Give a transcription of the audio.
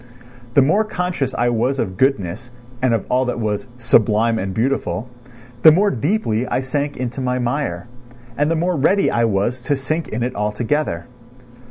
The more conscious I was of goodness and of all that was "sublime and beautiful," the more deeply I sank into my mire and the more ready I was to sink in it altogether.